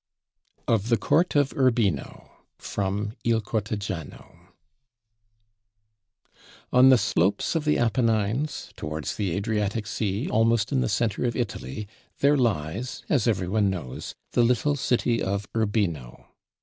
OF THE COURT OF URBINO From 'Il Cortegiano' On the slopes of the Apennines, towards the Adriatic Sea, almost in the centre of Italy, there lies (as every one knows) the little city of Urbino.